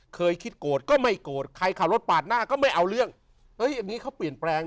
เคยคิดโกรธก็ไม่โกรธใครขับรถปาดหน้าก็ไม่เอาเรื่องเอ้ยอย่างนี้เขาเปลี่ยนแปลง